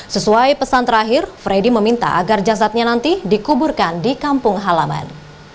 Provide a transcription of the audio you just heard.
sesuai pesan terakhir freddy meminta agar jasadnya nanti dikuburkan di kampung halaman